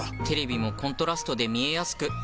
テレビもコントラストで見えやすく。